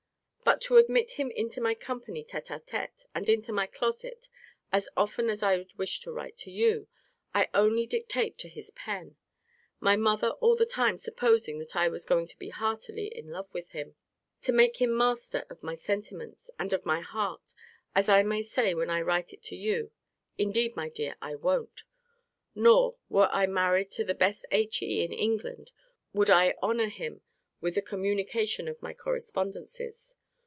But to admit him into my company tete a tete, and into my closet, as often as I would wish to write to you, I only dictate to his pen my mother all the time supposing that I was going to be heartily in love with him to make him master of my sentiments, and of my heart, as I may say, when I write to you indeed, my dear, I won't. Nor, were I married to the best HE in England, would I honour him with the communication of my correspondences.